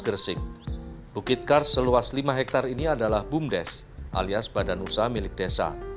gresik bukit kars seluas lima hektare ini adalah bumdes alias badan usaha milik desa